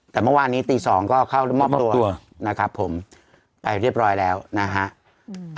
แต่เมื่อวานนี้ตีสองก็เข้ามอบตัวนะครับผมไปเรียบร้อยแล้วนะฮะ